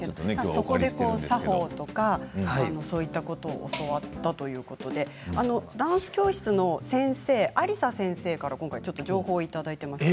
そこで作法とかそういったことを教わったということでダンス教室の先生亜利砂先生から情報をいただいています。